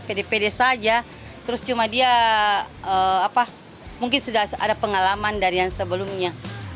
jadi pede saja terus cuma dia mungkin sudah ada pengalaman dari yang sebelumnya